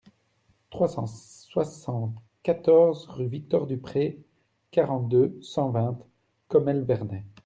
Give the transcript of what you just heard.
trois cent soixante-quatorze rue Victor Dupré, quarante-deux, cent vingt, Commelle-Vernay